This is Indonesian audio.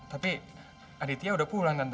tapi aditya udah pulang nanti